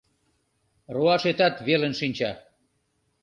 Руашетат велын шинча